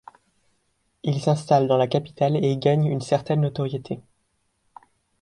Il s'installe dans la capitale et y gagne une certaine notoriété.